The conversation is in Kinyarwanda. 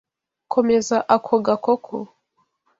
Komeza ako gakoko.